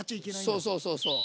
そうそうそうそう。